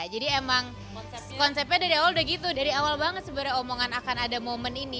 jadi emang konsepnya dari awal udah gitu dari awal banget sebenarnya omongan akan ada momen ini